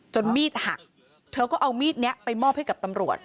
มีดหักเธอก็เอามีดนี้ไปมอบให้กับตำรวจ